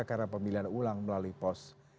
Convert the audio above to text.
karena pemilihan ulang melalui pos